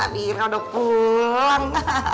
bira udah pulang